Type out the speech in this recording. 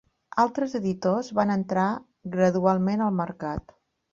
Altres editors van entrar gradualment al mercat.